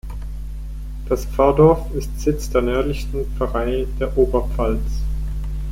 Das Pfarrdorf ist Sitz der nördlichsten Pfarrei der Oberpfalz.